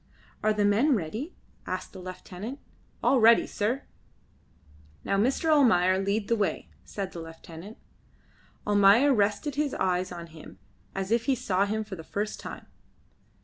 "Are the men ready?" asked the lieutenant. "All ready, sir." "Now, Mr. Almayer, lead the way," said the lieutenant Almayer rested his eyes on him as if he saw him for the first time.